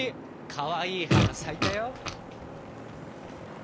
かわいい花咲いたよ！